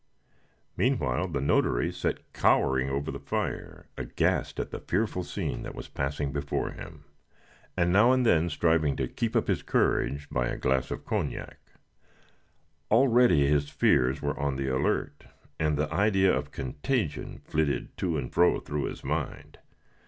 Meanwhile the notary sat cowering over the fire, aghast at the fearful scene that was passing before him, and now and then striving to keep up his courage by a glass of cognac. Already his fears were on the alert, and the idea of contagion flitted to and fro through his mind.